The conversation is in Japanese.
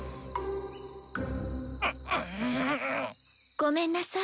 ごめんなさい。